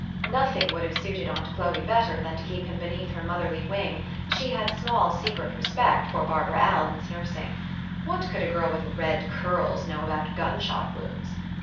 Nothing would have suited aunt Chloe better than to keep him beneath her motherly wing ; she had small secret respect for Barbara Allen's nursing. What could a girl with red curls know about gunshot wounds?